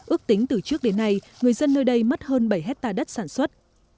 ước tính từ trước đến nay người dân nơi đây mất hơn bảy hectare đất sản xuất